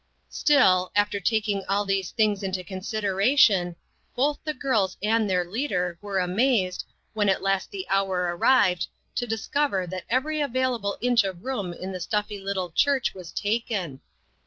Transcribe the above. Still, after taking all these things into con sideration, both the girls and their leader were amazed, when at last the hour arrived, to discover that every available inch of room in the stuffy little church was taken.